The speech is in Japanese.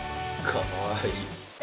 かわいい。